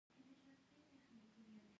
ایا ستاسو درمل ښه دي؟